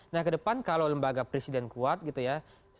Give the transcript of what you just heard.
nah kedepan kalau lembaga presiden kuat gitu ya